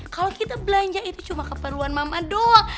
kalau kita belanja itu cuma keperluan mama doa